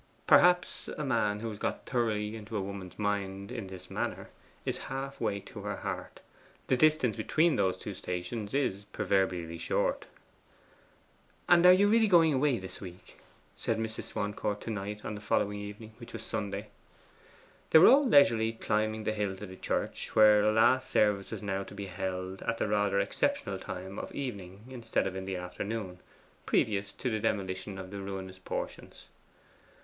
Perhaps a man who has got thoroughly into a woman's mind in this manner, is half way to her heart; the distance between those two stations is proverbially short. 'And are you really going away this week?' said Mrs. Swancourt to Knight on the following evening, which was Sunday. They were all leisurely climbing the hill to the church, where a last service was now to be held at the rather exceptional time of evening instead of in the afternoon, previous to the demolition of the ruinous portions.